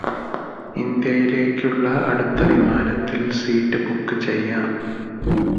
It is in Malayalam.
ഇന്ത്യയിലേക്കുള്ള അടുത്ത വിമാനത്തിൽ സീറ്റ് ബുക്ക് ചെയ്യാം